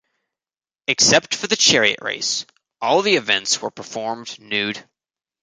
Except for the chariot race, all the events were performed nude.